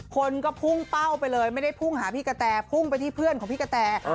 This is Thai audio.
คนก็พุ่งเป้าไปเลยไม่ได้พุ่งหาพี่กะแต่พุ่งไปที่เพื่อนของพี่กะแต